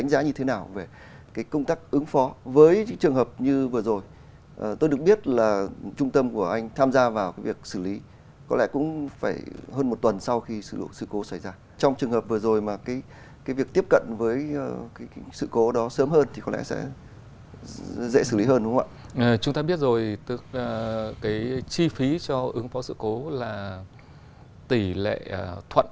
chúng ta biết rồi chi phí cho ứng phó sự cố là tỷ lệ thuận